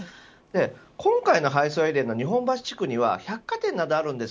今回の配送エリアの日本橋地区には百貨店などがあります。